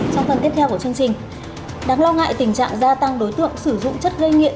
trong phần tiếp theo của chương trình đáng lo ngại tình trạng gia tăng đối tượng sử dụng chất gây nghiện